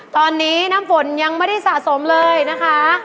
ตอนนี้น้ำฝนยังไม่ได้สะสมเลยนะคะ